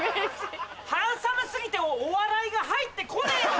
ハンサム過ぎてお笑いが入って来ねえのよ。